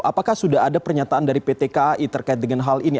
apakah sudah ada pernyataan dari pt kai terkait dengan hal ini